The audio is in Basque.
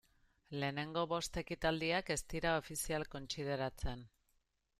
Lehenengo bost ekitaldiak ez dira ofizial kontsideratzen.